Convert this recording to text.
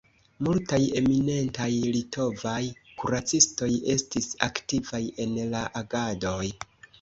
Multaj eminentaj litovaj kuracistoj estis aktivaj en la agadoj.